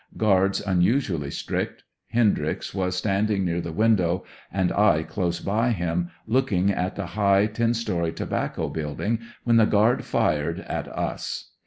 Guards unusually strict. Hendryx was standing near the window, and I close by him, look ing at the high, ten story tobacco building, when the guard tired at us.